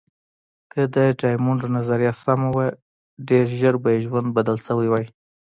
که د ډایمونډ نظریه سمه وه، ډېر ژر به یې ژوند بدل شوی وای.